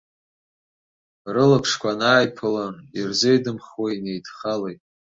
Рылаԥшқәа анааиԥыла, ирзеидымхуа инеидхалеит.